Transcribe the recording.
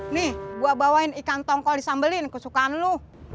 nih gua bawain ikan tongkol di sambelin kesukaan lo